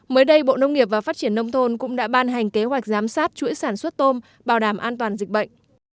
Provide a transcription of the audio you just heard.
mới đây bộ nông nghiệp và phát triển nông thôn cũng đã ban hành kế hoạch giám sát chuỗi sản xuất tôm bảo đảm an toàn dịch bệnh